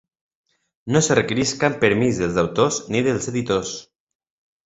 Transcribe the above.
No es requereix cap permís dels autors ni dels editors.